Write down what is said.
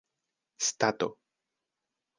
stato